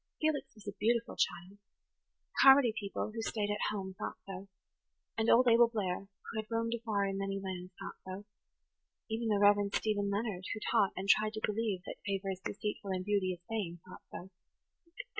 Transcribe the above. Felix was a beautiful child. Carmody people, who stayed at home, thought so; and old Abel Blair, who had roamed afar in many lands, thought so; and even the Rev. Stephen Leonard, who taught, and tried to believe, that favour is deceitful and beauty is vain, thought so.